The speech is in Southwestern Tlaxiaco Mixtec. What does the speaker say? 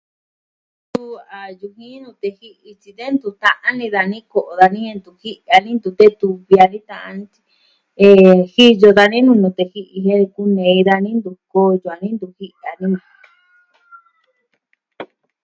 Suu a yujin nute ji'i tyi de ntuvi ta'an ini dani ko'o dani jen ntuvi ji'i dani ntu tetuvi dani ta'an dani jen jiyo dani nuu nute ji'i. Jen kunei dani ntu koyo dani, ntu ji'i dani.